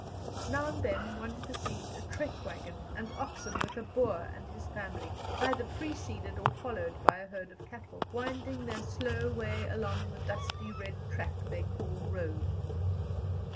Now and then one perceived a trek waggon and oxen with a Boer and his family, either preceded or followed by a herd of cattle, winding their slow way along the dusty red track they call road.